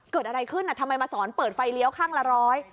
เกิดอะไรขึ้นทำไมมาสอนเปิดไฟเลี้ยวข้างละร้อย